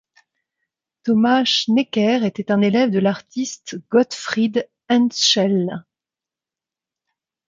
Thomas Snekker était un élève de l'artiste Gottfried Hendtzschel.